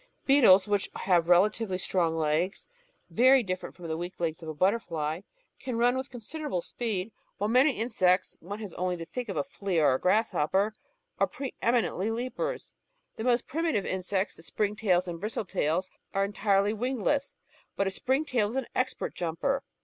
Beetles, which have relatively strong legs, very diflFerent from the weak legs of a butterfly, can run with considerable speed, while many insects — one has only to think of a flea or a grasshopper — ^are pre eminently leapers. The most primitive insects, the spring tails and bristle tails, are entirely wingless, but a spring tail is an expert jumper.